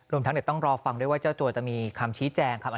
ทั้งเดี๋ยวต้องรอฟังด้วยว่าเจ้าตัวจะมีคำชี้แจงครับ